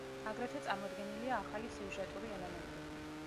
აგრეთვე წარმოდგენილია ახალი სიუჟეტური ელემენტები.